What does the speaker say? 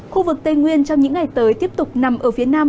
khu vực tây nguyên trong những ngày tới tiếp tục nằm ở phía nam